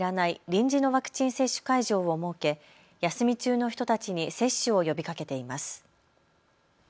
臨時のワクチン接種会場を設け、休み中の人たちに接種を呼びかけています。